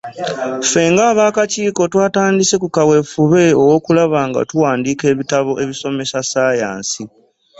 Ffe nga akakiiko twatandise ku kaweefube w’okulaba nga tuwandiika ebitabo ebisomesa ssaayansi.